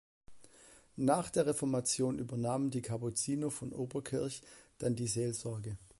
Nach der Reformation übernahmen die Kapuziner von Oberkirch dann die Seelsorge.